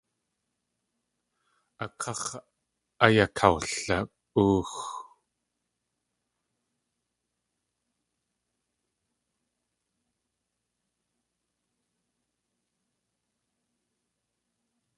A káx̲ ayakawli.óox.